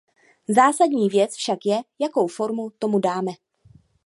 Zásadní věcí však je, jakou formu tomu dáme.